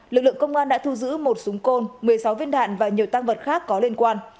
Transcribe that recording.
lực lượng công an đã thu giữ một súng côn một mươi sáu viên đạn và nhiều tăng vật khác có liên quan